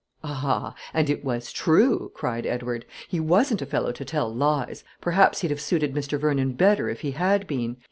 "Ah, and it was true," cried Edward; "he wasn't a fellow to tell lies; perhaps he'd have suited Mr. Vernon better if he had been.